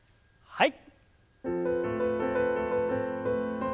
はい。